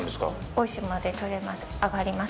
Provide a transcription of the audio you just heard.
大島で取れます。